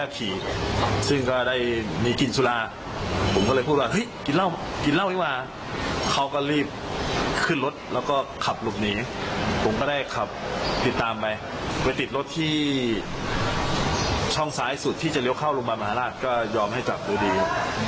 ไปติดรถที่ช่องซ้ายสุดที่จะเลี้ยวเข้าโรงบาลมหาราชก็ยอมให้จับดูดี